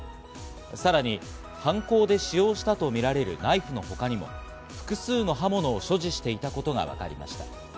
さらに犯行で使用したとみられるナイフの他にも、複数の刃物を所持していたことがわかりました。